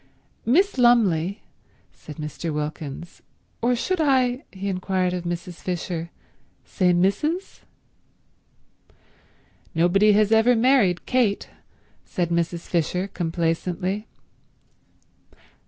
"Miss Lumley," said Mr. Wilkins, "—or should I," he inquired of Mrs. Fisher, "say Mrs.?" "Nobody has ever married Kate," said Mrs. Fisher complacently.